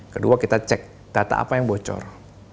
kedua kita cek data apa yang bocor